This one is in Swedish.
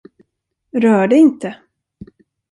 Rör det inte!